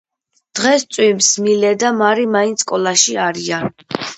დღეს წვიმს მილე და მარი მაინც სკოლაში არიან